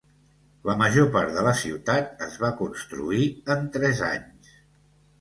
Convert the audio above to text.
La major part de la ciutat es va construir en tres anys.